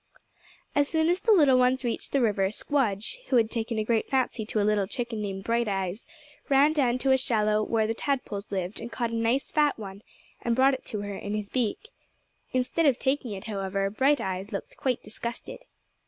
As soon as the little ones reached the river Squdge, who had taken a great fancy to a little chicken named Bright Eyes, ran down to a shallow where the tadpoles lived, and caught a nice fat one, and brought it to her in his beak. Instead of taking it, however, Bright Eyes looked quite disgusted.